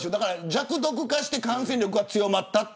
弱毒化して感染力が強まった。